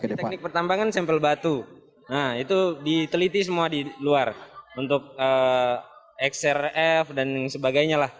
ini teknik pertambangan sampel batu nah itu diteliti semua di luar untuk xrf dan sebagainya lah